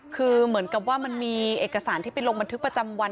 คือเหมือนกับว่ามันมีเอกสารที่ไปลงบันทึกประจำวัน